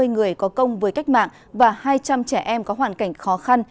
hai mươi người có công với cách mạng và hai trăm linh trẻ em có hoàn cảnh khó khăn